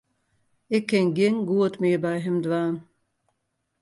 Ik kin gjin goed mear by him dwaan.